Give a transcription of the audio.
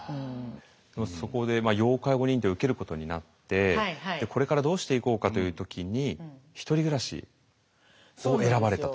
そこで要介護認定を受けることになってこれからどうしていこうかという時に「ひとり暮らし」を選ばれた。